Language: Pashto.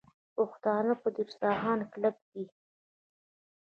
پښتانه پر دسترخوان کلک دي.